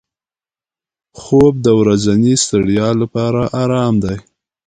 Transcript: خوب د ورځني ستړیا لپاره آرام دی